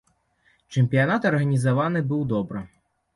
Чэмпіянат арганізаваны быў добра.